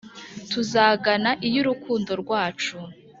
tuzagana iy’urukundo rwacu